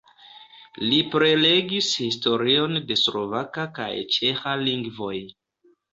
Li prelegis historion de slovaka kaj ĉeĥa lingvoj.